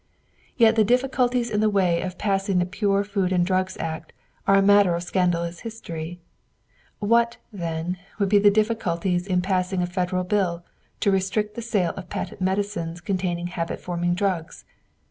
Yet the difficulties in the way of passing the Pure Food and Drugs Act are a matter of scandalous history. What, then, would be the difficulties in passing a Federal bill to restrict the sale of patent medicines containing habit forming drugs?